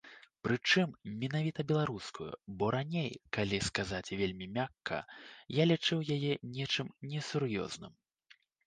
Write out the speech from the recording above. Прычым менавіта беларускую, бо раней, калі сказаць вельмі мякка, я лічыў яе нечым несур'ёзным.